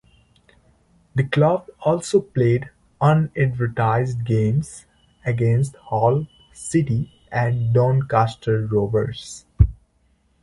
The club also played unadvertised games against Hull City and Doncaster Rovers.